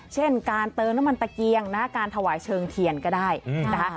เช่นการเติมน้ำมันตะเกียงนะคะการถวายเชิงเทียนก็ได้นะคะ